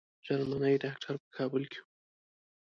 جرمني ډاکټر په کابل کې وو.